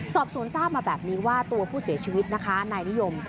สอบสวนทราบมาแบบนี้ว่าตัวผู้เสียชีวิตนะคะนายนิยม